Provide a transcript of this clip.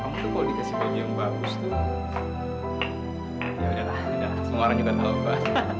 kamu tuh kalau dikasih baby yang bagus tuh yaudah lah semua orang juga terlupa